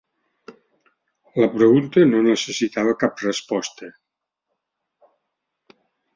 La pregunta no necessitava cap resposta.